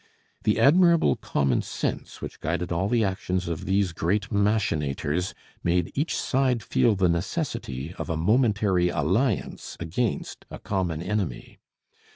The admirable common sense which guided all the actions of these great machinators made each side feel the necessity of a momentary alliance against a common enemy.